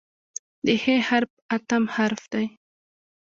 د "ح" حرف اتم حرف دی.